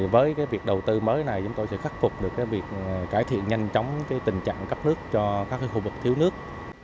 với việc đầu tư mới này chúng tôi sẽ khắc phục được việc cải thiện nhanh chóng tình trạng cấp nước cho các khu vực thiếu nước